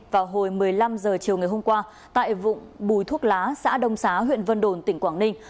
vào hồi một mươi năm h chiều ngày hôm qua tại bùi thuốc lá xã đông xá huyện vân đồn tỉnh quảng ninh